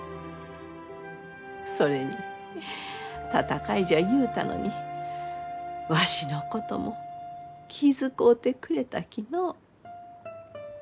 それに戦いじゃ言うたのにわしのことも気遣うてくれたきのう。